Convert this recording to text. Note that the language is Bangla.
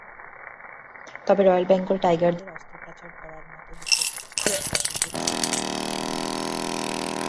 তবে রয়েল বেঙ্গল টাইগারদের অস্ত্রোপচার করার মতো বিশেষজ্ঞ চিকিত্সক আমাদের দেশে নেই।